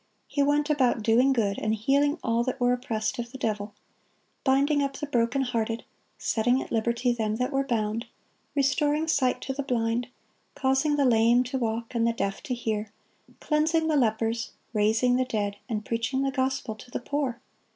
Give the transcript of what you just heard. He "went about doing good, and healing all that were oppressed of the devil,"(17) binding up the broken hearted, setting at liberty them that were bound, restoring sight to the blind, causing the lame to walk and the deaf to hear, cleansing the lepers, raising the dead, and preaching the gospel to the poor.